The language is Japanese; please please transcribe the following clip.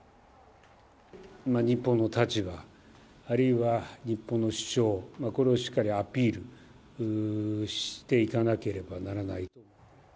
日本の立場あるいは日本の主張、これをしっかりアピールしていかなければならない。